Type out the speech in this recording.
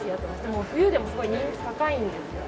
もう冬でもすごい人気高いんですよね。